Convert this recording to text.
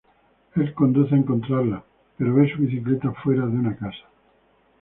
Él conduce a encontrarla pero ve su bicicleta fuera de una casa.